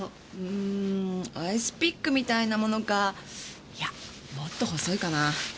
うーんアイスピックみたいなものかいやもっと細いかな。